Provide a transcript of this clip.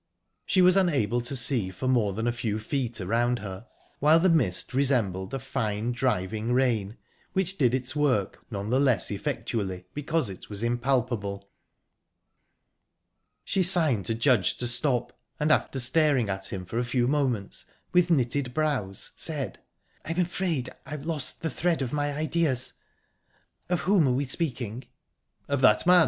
She was unable to see for more than a few feet around her, while the mist resembled a fine, driving rain, which did its work none the less effectually because it was impalpable. She signed to Judge to stop, and, after staring at him for a few moments, with knitted brows, said: "I'm afraid I've lost the thread of my ideas. Of whom are we speaking?" "Of that man.